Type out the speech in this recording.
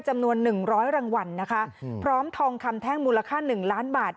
จำนวนหนึ่งร้อยรางวัลนะคะพร้อมทองคำแท่งมูลค่าหนึ่งล้านบาท